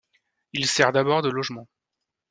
Il sert d'abord de logement.